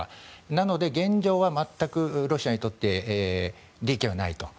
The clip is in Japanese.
なので、現状は全くロシアにとって利益はないと。